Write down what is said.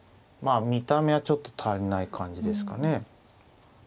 見た目はちょっと足りない感じですかね。